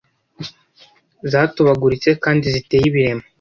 zatobaguritse kandi ziteye ibiremo